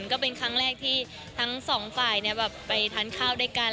ก็เป็นครั้งแรกที่ทั้งสองฝ่ายไปทานข้าวด้วยกัน